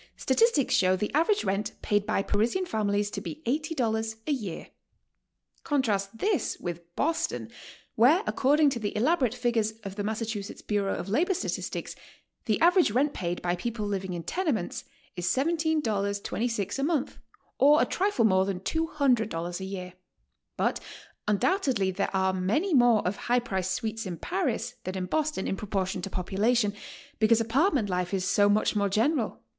Statistics show the average rent paid by Parisian families to 148 GOING ABROAD? y be $80 a yeaf. Contrast this with Boston, where, according to the elaborate figures of the Mass. Bureau of Labor Statistics, the average rent paid by peopk living in tenements is $17.26 a month, or a trifle more than $200 a year. But undoubtedly there are many more of high priced suites in Paris than in Boston in proportion to population, becau'se apartment life is so much more general.